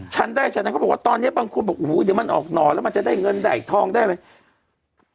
ฉันได้ฉันนั้นเขาบอกว่าตอนนี้บางคนบอกโอ้โหเดี๋ยวมันออกหน่อแล้วมันจะได้เงินได้ทองได้อะไร